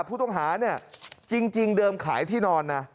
ผู้ต้องหาจริงเดิมขายที่นอน